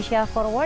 terima kasih bunker